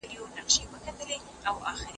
سیلانیان په پلي لارو ګرځي.